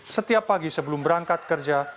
setiap pagi sebelum berangkat kerja